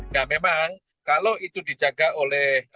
nah memang kalau itu dijaga oleh